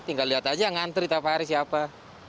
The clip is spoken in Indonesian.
tinggal lihat aja ngantri tafari siapa